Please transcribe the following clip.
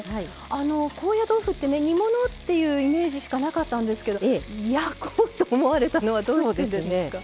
高野豆腐ってね煮物っていうイメージしかなかったんですけど焼こうと思われたのはどうしてですか？